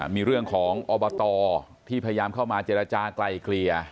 มีเรื่องของอบตที่พยายามเข้ามาเจรจากลายเกลี่ย